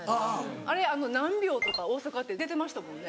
あれ何秒とか大阪って出てましたもんね。